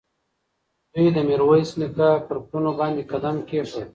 دوی د میرویس نیکه پر پلونو باندې قدم کېښود.